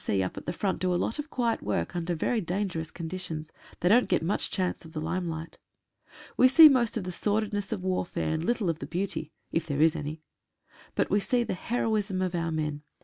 C. up at the front do a lot of quiet work under very dangerous conditions — they don't get much chance of the limelight. We see most of the sordidness of warfare, and little of the beauty — if there is ahy. But we see the heroism of our men.